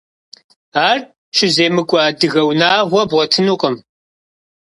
Ар щыземыкӀуэ адыгэ унагъуэ бгъуэтынутэкъым.